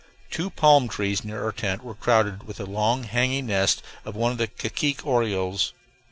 Two palm trees near our tent were crowded with the long, hanging nests of one of the cacique orioles.